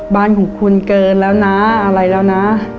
บ้านของคุณเกินแล้วนะอะไรแล้วนะ